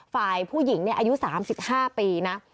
ฝ่ายผู้หญิงอายุ๓๕ปีนะ